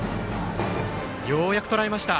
ようやくとらえました。